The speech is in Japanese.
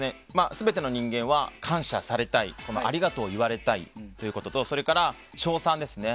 全ての人間は感謝されたいありがとうを言われたいということとそれから称賛ですね。